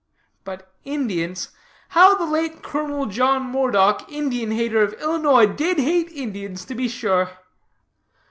But Indians how the late Colonel John Moredock, Indian hater of Illinois, did hate Indians, to be sure!"